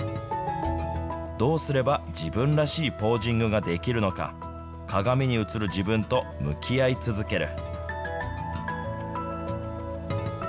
どうすれば自分らしいポージングができるのか、鏡に映る自分と向き合い続ける。